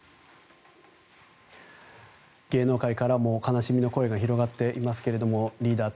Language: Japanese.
芸能界からも悲しみの声が広がっていますがリーダー